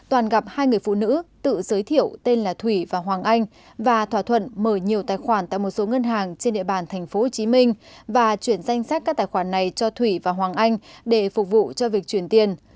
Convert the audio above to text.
và chuyển danh sách các tài khoản này cho thủy và hoàng anh để phục vụ cho việc chuyển tiền